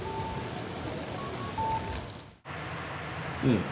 うん。